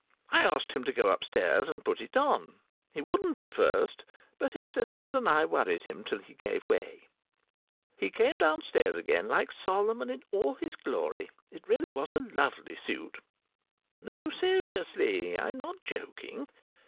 I asked him to go upstairs and put it on. He wouldn't at first, but his sisters and I worried him till he gave way. He came downstairs again like Solomon in all his glory. It really was a lovely suit. No seriously, I'm not joking.